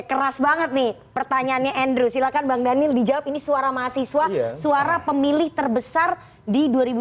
keras banget nih pertanyaannya andrew silakan bang daniel dijawab ini suara mahasiswa suara pemilih terbesar di dua ribu dua puluh